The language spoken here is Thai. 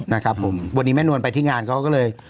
วันนี้แม่นวลไปที่งานก็เลย